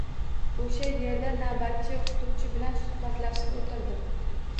Oʻsha yerda navbatchi oʻqituvchi bilan suhbatlashib oʻtirdim.